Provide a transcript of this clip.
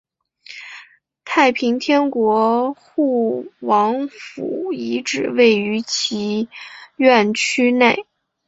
太平天国护王府遗址位于其院区内。